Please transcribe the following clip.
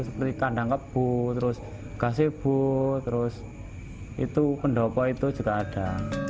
seperti kandang kebu terus gasibu terus itu pendopo itu juga ada